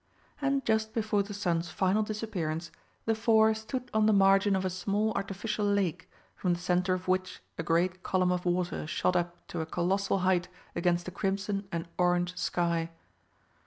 And just before the sun's final disappearance, the four stood on the margin of a small artificial lake, from the centre of which a great column of water shot up to a colossal height against the crimson and orange sky.